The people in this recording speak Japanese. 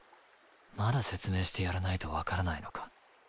まだ説明してやらないとわからないのか？